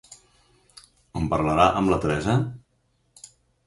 ¿En parlarà amb la Teresa?